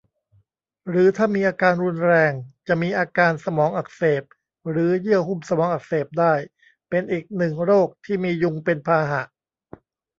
หรือถ้ามีอาการรุนแรง จะมีอาการสมองอักเสบ หรือเยื่อหุ้มสมองอักเสบได้ เป็นอีกหนึ่งโรคที่มียุงเป็นพาหะ